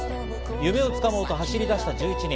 夢をつかもうと走り出した１１人。